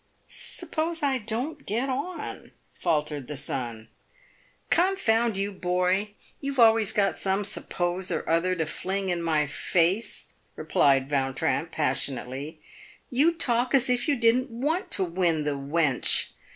" Suppose I don't get on ?" faltered the son. " Confound you, boy ! You have always got some ' suppose' or other to fling in my face," replied Yautrin, passionately. " You talk as if you didn't want to win the wench.